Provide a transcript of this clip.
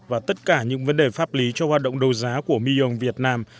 và tất cả những vấn đề pháp lý cho hoạt động đấu giá của millon việt nam